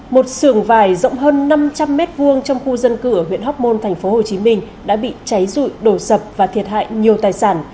một sườn vải rộng hơn năm trăm linh m hai trong khu dân cư ở huyện hóc môn tp hcm đã bị cháy rụi đổ sập và thiệt hại nhiều tài sản